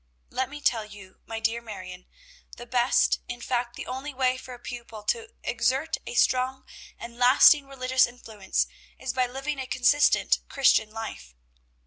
Let me tell you, my dear Marion, the best, in fact the only way for a pupil to exert a strong and lasting religious influence is by living a consistent Christian life.